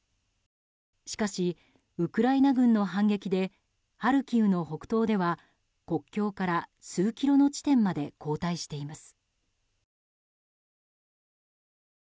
しかし、ウクライナ軍の反撃でハルキウの北東では国境から数キロの地点まで後退しています。